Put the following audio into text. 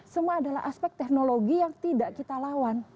semua adalah aspek teknologi yang tidak kita lawan